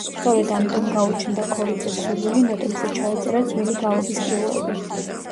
სწორედ ამიტომ გაუჩნდა ქორიძეს სურვილი, ნოტებზე ჩაეწერა ძველი გალობის კილოები.